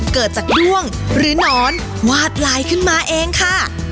เกิดจากด้วงหรือหนอนวาดลายขึ้นมาเองค่ะ